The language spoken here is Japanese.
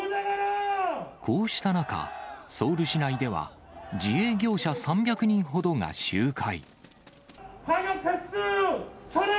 こうした中、ソウル市内では、自営業者３００人ほどが集会。